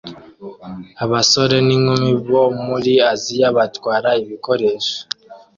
Abasore n'inkumi bo muri Aziya batwara ibikoresho